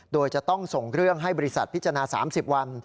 โดยจะต้องส่งเรื่องให้บริษัทพิจารณา๓๐วัน